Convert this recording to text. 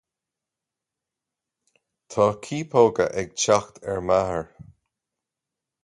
Tá ciapóga ag teacht ar m'athair.